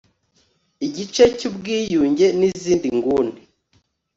igice cyubwiyunge nizindi nguni